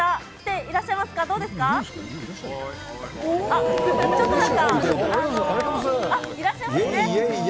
いらっしゃいますね。